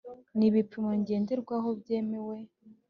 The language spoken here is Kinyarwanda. N ibipimo ndengerwaho byemewe